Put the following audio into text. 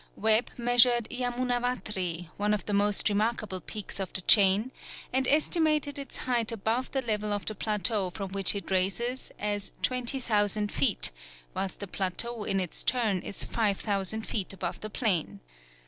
Webb measured Yamunavatri, one of the most remarkable peaks of the chain, and estimated its height above the level of the plateau from which it rises as 20,000 feet, whilst the plateau in its turn is 5000 feet above the plain.